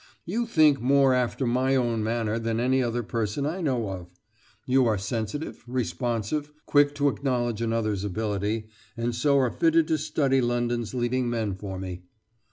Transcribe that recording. "You think more after my own manner than any other person I know of. You are sensitive, responsive, quick to acknowledge another's ability, and so are fitted to study London's leading men for me!"